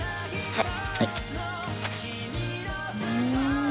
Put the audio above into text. はい。